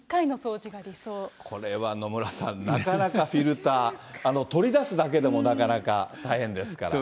これは野村さん、なかなかフィルター、取り出すだけでもなかなか大変ですから。